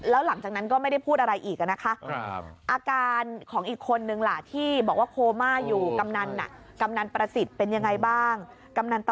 แล้วหลังจากนั้นก็ไม่ได้พูดอะไรอีกนะคะ